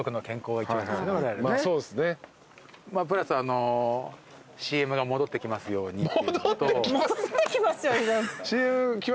いなくなったＣＭが戻ってきますようにって。